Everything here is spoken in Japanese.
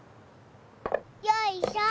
よいしょ！